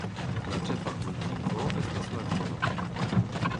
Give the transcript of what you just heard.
La ĉefa kultivo estas la vito.